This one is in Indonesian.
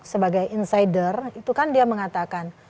sebagai insider itu kan dia mengatakan